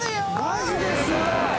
・マジですごい！